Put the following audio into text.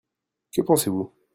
Que pensez-vous ?